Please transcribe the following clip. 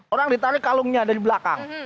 orang ditarik kalungnya dari belakang